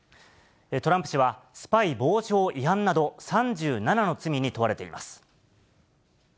トランプ氏は、スパイ防止法違反など３７の罪に問われています。